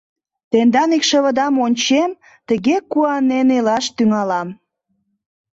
Тендан икшывыдам ончем, тыге куанен илаш тӱҥалам.